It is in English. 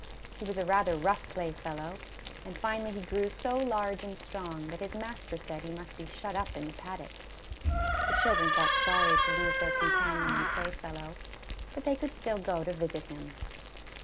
He was a rather rough playfellow; and finally he grew so large and strong, that his master said he must be shut up in the paddock. The children felt sorry to lose their com panion and playfellow, but they could still go to visit him.